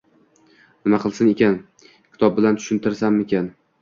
Nima qilsin ekan, kitob bilan tushirsamikin